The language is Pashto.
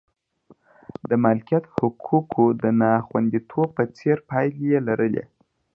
د مالکیت حقوقو د ناخوندیتوب په څېر پایلې یې لرلې.